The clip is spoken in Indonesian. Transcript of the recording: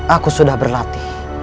aku sudah berlatih